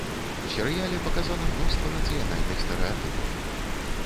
У серыяле паказана мноства нацыянальных стэрэатыпаў.